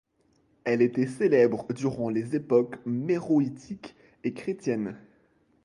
Elle était célèbre durant les époques méroïtique et chrétienne.